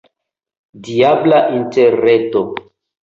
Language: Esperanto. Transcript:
Diabla Interreto!